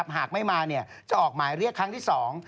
หากไม่มาเนี่ยจะออกหมายเรียกครั้งที่สอง